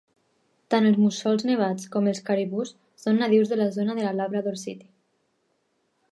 Tant els mussols nevats com els caribús són nadius de la zona de la Labrador City.